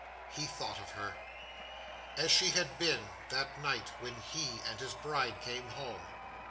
He thought of her, as she had been that night when he and his bride came home.